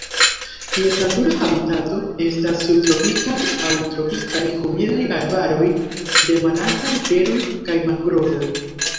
Ties natura habitato estas subtropikaj aŭ tropikaj humidaj arbaroj de malaltaj teroj kaj mangrovoj.